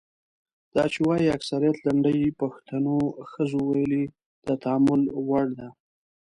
دا چې وايي اکثریت لنډۍ پښتنو ښځو ویلي د تامل وړ ده.